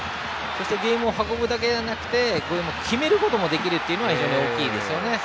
そして、ボールを運ぶだけじゃなくて決めることができるのも非常に大きいですよね。